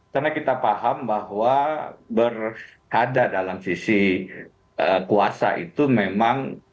karena kita paham bahwa berhadap dalam sisi kuasa itu memang